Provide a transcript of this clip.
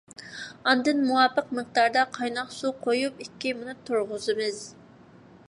ئاندىن مۇۋاپىق مىقداردا قايناق سۇ قۇيۇپ، ئىككى مىنۇت تۇرغۇزىمىز.